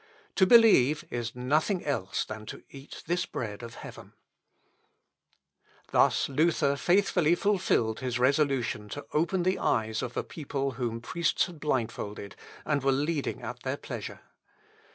To believe is nothing else than to eat this bread of heaven." Thus Luther faithfully fulfilled his resolution to open the eyes of a people whom priests had blindfolded, and were leading at their pleasure.